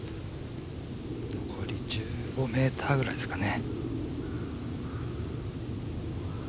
これで１５ｍくらいですかね。